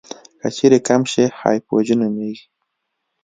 که چیرې کم شي هایپوژي نومېږي.